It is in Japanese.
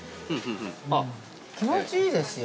◆気持ちいいですよ。